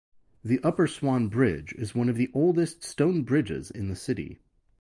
The Upper Swan Bridge is one of the oldest stone bridges in the city.